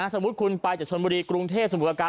สมมุติคุณไปกันจักรชมบุรีกรุงเทพโสมุติประการ